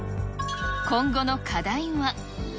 今後の課題は。